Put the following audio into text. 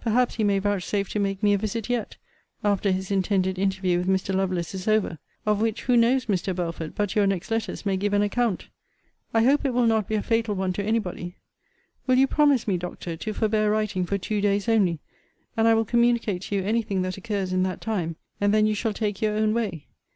Perhaps he may vouchsafe to make me a visit yet, after his intended interview with Mr. Lovelace is over; of which, who knows, Mr. Belford, but your next letters may give an account? I hope it will not be a fatal one to any body. Will you promise me, Doctor, to forbear writing for two days only, and I will communicate to you any thing that occurs in that time; and then you shall take your own way?